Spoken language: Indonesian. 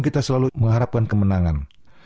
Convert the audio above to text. kita selalu mengharapkan kemenangan